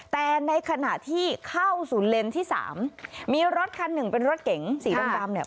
แต่ในขณะที่เข้าสู่เลนส์ที่สามมีรถคันหนึ่งเป็นรถเก๋งสีดำดำเนี่ย